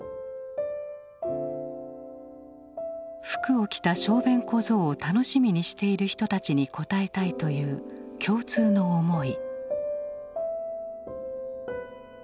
服を着た小便小僧を楽しみにしている人たちに応えたいという共通の思い。